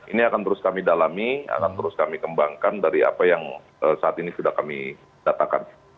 ini akan terus kami dalami akan terus kami kembangkan dari apa yang saat ini sudah kami datakan